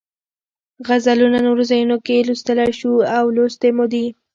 غزلونه نورو ځایونو کې لوستلی شو او لوستې مو دي.